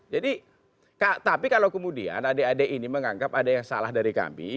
jadi tapi kalau kemudian adik adik ini menganggap ada yang salah dari kami